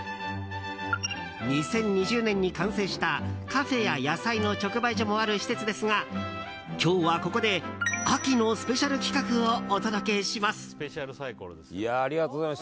２０２０年に完成した、カフェや野菜の直売所もある施設ですが今日は、ここで秋のスペシャル企画をお届けします。